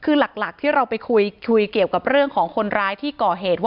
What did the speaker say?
คือหลักที่เราไปคุยเกี่ยวกับเรื่องของคนร้ายที่ก่อเหตุ